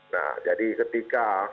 nah jadi ketika